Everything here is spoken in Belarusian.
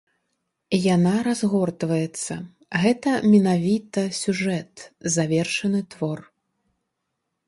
Яна разгортваецца, гэта менавіта сюжэт, завершаны твор.